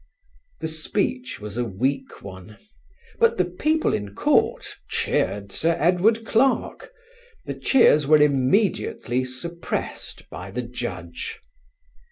The speech was a weak one; but the people in court cheered Sir Edward Clarke; the cheers were immediately suppressed by the Judge.